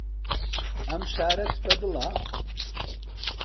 ئەم شارەت بەدڵە؟